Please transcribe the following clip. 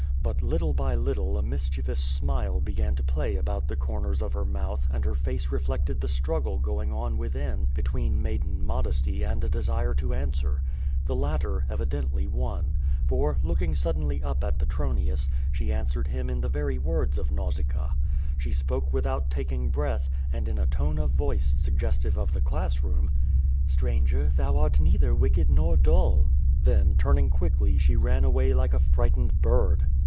But little by little a mischievous smile began to play about the comers of her mouth and her face reflected the struggle going on within between maiden modesty and a desire to answer. The i. 28 0^0 vktyi^. \ latter evidently won, for, looking suddenly up at Petronius, she answered him in the very words of Nausicaa. She spoke without taking breath, and in a tone of voice suggestive of the class room: "Stranger, thou art neither wicked nor dull." Then turning quickly she ran away like a frightened bird.